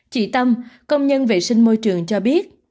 chị tâm công nhân vệ sinh môi trường cho biết